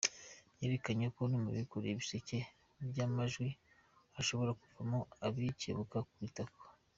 Yerekanye ko no mu bikoreye ibiseke by’amajwi hashobora kuvamo abikebuka ku itako!